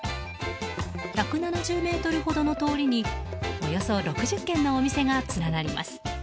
１７０ｍほどの通りにおよそ６０軒のお店が連なります。